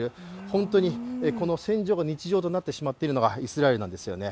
本当に、この戦場が日常となってしまってるのがイスラエルなんですね